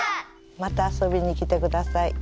また遊びに来てください。